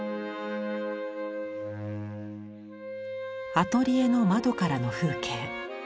アトリエの窓からの風景。